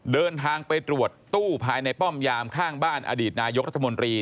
เดินทางไปตรวจตู้ภายในป้อมยามข้างบ้านอดีตนายกรัฐมนตรี